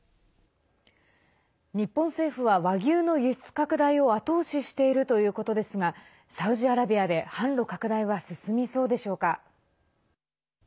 日本政府は、和牛の輸出拡大を後押ししているということですがサウジアラビアで販路拡大は進みそうでしょうか。